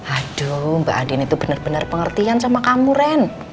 aduh mbak adin itu benar benar pengertian sama kamu ren